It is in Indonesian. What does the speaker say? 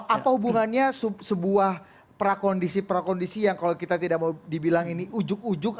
apa hubungannya sebuah prakondisi prakondisi yang kalau kita tidak mau dibilang ini ujuk ujuk